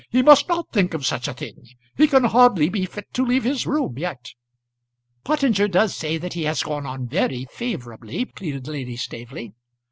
"He must not think of such a thing. He can hardly be fit to leave his room yet." "Pottinger does say that it has gone on very favourably," pleaded Lady Staveley.